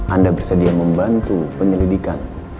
anda bersedia membantu penyelidikan